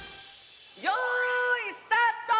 よいスタート！